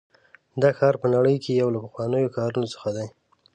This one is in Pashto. دا ښار په نړۍ کې یو له پخوانیو ښارونو څخه دی.